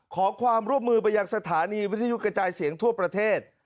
ขอความร่วมมือไปยังสถานีวิทยุกระจายเสียงทั่วประเทศ